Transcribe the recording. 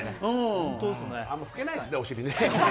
あんまり拭けないですね、お尻ね。